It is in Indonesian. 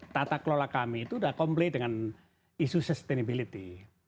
tata kelola kami itu sudah komplain dengan isu sustainability